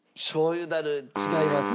違います。